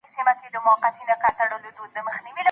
د سولي لار د هیوادونو د اقتصادي او کلتوري پرمختګ لار ده.